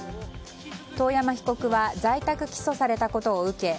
遠山被告は在宅起訴されたことを受け